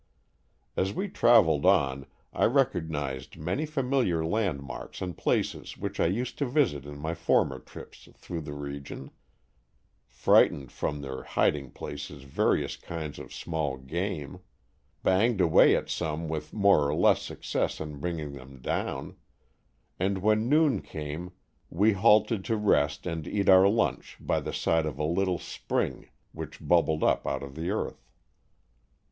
As we traveled on, I recognized many familiar land marks and places which I used to visit in my former trips through the region, frightened from their hiding places vari 10 Stories from the Adirondack^. ous kinds of small game: banged away at some with more or less success in bring ing them down, and when noon came we halted to rest and eat our lunch by the side of a little spring which bubbled up out of the earth.